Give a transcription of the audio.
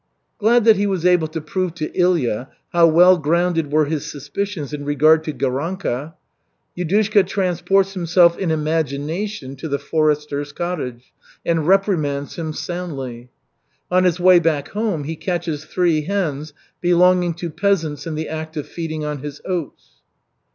Glad that he was able to prove to Ilya how well grounded were his suspicions in regard to Garanka, Yudushka transports himself in imagination to the forester's cottage and reprimands him soundly. On his way back home he catches three hens belonging to peasants in the act of feeding on his oats.